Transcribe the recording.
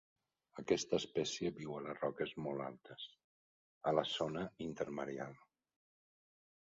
Aquesta espècie viu a les roques molt altes, a la zona intermareal.